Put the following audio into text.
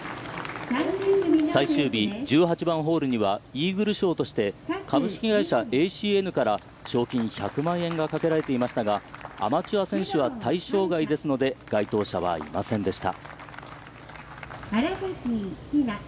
最終日、１８番ホールには、イーグル賞として株式会社エーシーエヌから賞金１００万円がかけられていましたが、アマチュア選手は対象外ですので、該当者は、いませんでした。